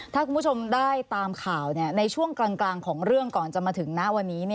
ถ้าคุณผู้ชมได้ตามข่าวในช่วงกลางของเรื่องก่อนจะมาถึงณวันนี้